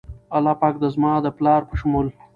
الله پاک د زما د پلار په شمول